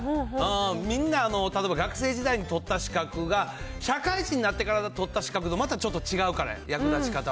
みんな、例えば学生時代に取った資格が、社会人になってから取った資格とまたちょっと違うから、役立ち方は。